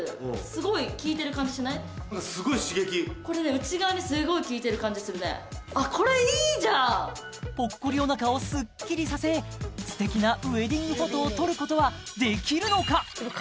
内側にすごい効いてる感じするねあっこれいいじゃんポッコリおなかをすっきりさせ素敵なウエディングフォトを撮ることはできるのか？